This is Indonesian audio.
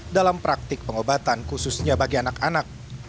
dalam praktik pengobatan khususnya bagi anak anak